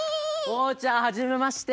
おうちゃんはじめまして！